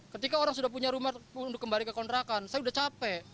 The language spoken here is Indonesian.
ketika orang sudah punya rumah untuk kembali ke kontrakan saya sudah capek